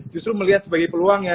justru melihat sebagai peluang ya